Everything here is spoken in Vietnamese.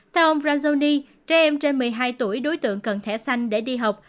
theo ông brazoni trẻ em trên một mươi hai tuổi đối tượng cần thẻ xanh để đi học